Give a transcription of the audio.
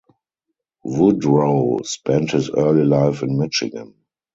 Woodrow spent his early life in Michigan.